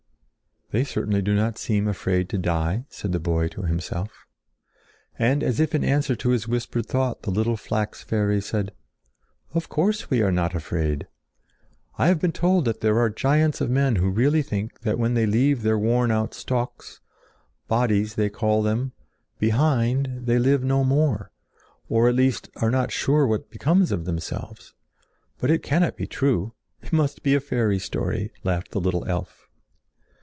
"They certainly do not seem afraid to die," said the boy to himself. And as if in answer to his whispered thought the little flax fairy said: "Of course we are not afraid! I have been told that there are giants of men who really think that when they leave their worn out stalks—bodies they call them—behind, they live no more, or at least are not sure what becomes of themselves. But it cannot be true—it must be a fairy story!" laughed the little elf.